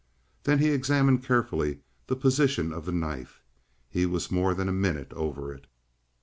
Then he examined carefully the position of the knife. He was more than a minute over it.